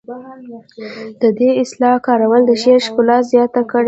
د دې اصطلاح کارول د شعر ښکلا زیاته کړې ده